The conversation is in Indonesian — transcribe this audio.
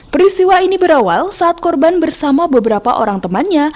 peristiwa ini berawal saat korban bersama beberapa orang temannya